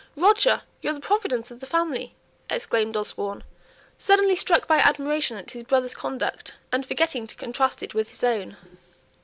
"Roger, you're the providence of the family," exclaimed Osborne, suddenly struck by admiration at his brother's conduct, and forgetting to contrast it with his own.